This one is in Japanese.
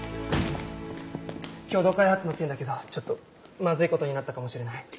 共同開発の件だけどちょっとマズいことになったかもしれない。